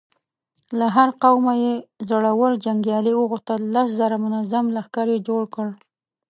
له هر قومه يې زړور جنګيالي وغوښتل، لس زره منظم لښکر يې جوړ کړ.